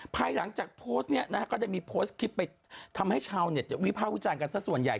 ภายหลังจากโพสต์นี้ก็จะมีโพสต์คลิปไปทำให้ชาววิพาควิจารณ์กันซะส่วนใหญ่